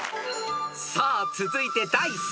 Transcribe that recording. ［さあ続いて第３問］